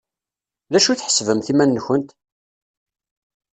D acu i tḥesbemt iman-nkent?